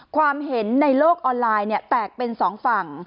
ความเห็นในโลกออนไลน์เนี่ยแตกเป็นสองฝั่ง